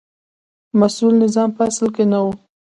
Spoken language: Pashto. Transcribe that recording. مسوول نظام په اصل کې نه و.